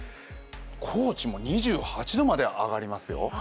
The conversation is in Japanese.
高知も２８度まで上がりますよ。